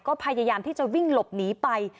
ก็พยายามที่จะวิ่งหลบหนีไป